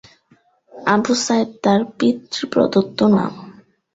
আবু সাঈদ তাঁর পিতৃ প্রদত্ত নাম।